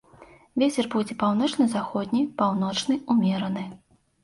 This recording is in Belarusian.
Вецер будзе паўночна-заходні, паўночны ўмераны.